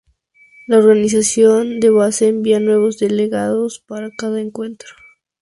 La organizaciones de base envían nuevos delegados para cada encuentro.